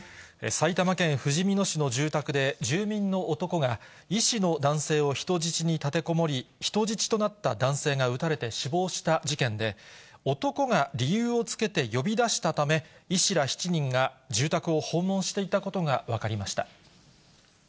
埼玉県ふじみ野市の住宅で、住民の男が医師の男性を人質に立てこもり、人質となった男性が撃たれて死亡した事件で、男が理由をつけて呼び出したため、医師ら７人が住宅を訪問していたことが分かりました。